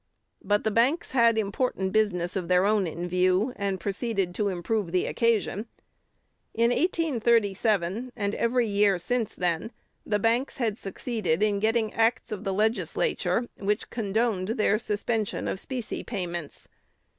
But the banks had important business of their own in view, and proceeded to improve the occasion. In 1837, and every year since then, the banks had succeeded in getting acts of the Legislature which condoned their suspension of specie payments.